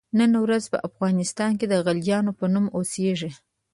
نن ورځ په افغانستان کې د غلجیانو په نوم اوسیږي.